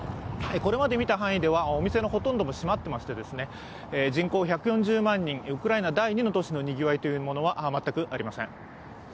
これまで見た範囲ではお店のほとんど、閉まっておりまして人口１４０万人、ウクライナ第２の都市のにぎわいは全くありません。